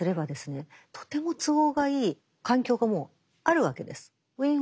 とても都合がいい環境がもうあるわけです。